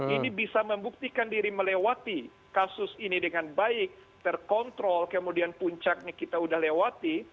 ini bisa membuktikan diri melewati kasus ini dengan baik terkontrol kemudian puncaknya kita sudah lewati